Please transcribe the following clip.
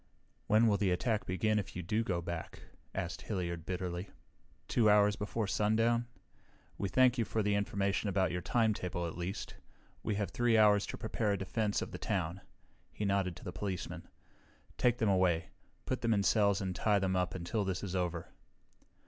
"When will the attack begin if you do go back?" asked Hilliard bitterly. "Two hours before sundown? We thank you for the information about your timetable, at least. We have 3 hours to prepare a defense of the town." He nodded to the policeman. "Take them away. Put them in cells and tie them up until this is over."